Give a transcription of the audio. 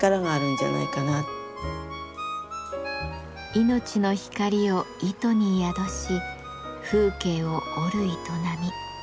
いのちの光を糸に宿し風景を織る営み。